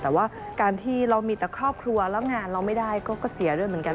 แต่ว่าการที่เรามีแต่ครอบครัวแล้วงานเราไม่ได้ก็เสียด้วยเหมือนกัน